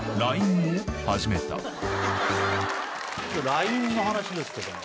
ＬＩＮＥの話ですけども。